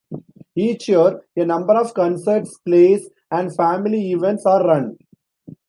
Each year a number of concerts, plays and family events are run.